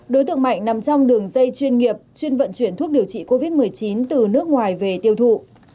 đối tượng mạnh nằm trong đường dây chuyên nghiệp chuyên vận chuyển thuốc điều trị covid một mươi chín từ nước ngoài về tiêu thụ